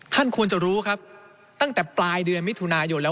ท่านควรจะรู้ครับตั้งแต่ปลายเดือนมิถุนายนแล้ว